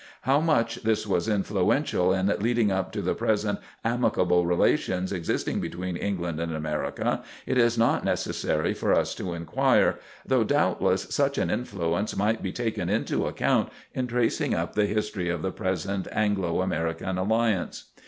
How much this was influential in leading up to the present amicable relations existing between England and America, it is not necessary for us to inquire, though doubtless such an influence might be taken into account in tracing up the history of the present Anglo American alliance.